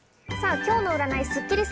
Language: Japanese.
今日の占いスッキりす。